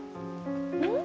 うん？